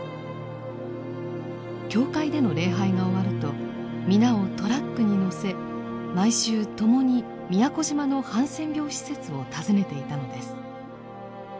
教会での礼拝が終わると皆をトラックに乗せ毎週共に宮古島のハンセン病施設を訪ねていたのです。